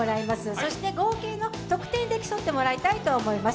そして合計の得点で競ってもらいたいと思います。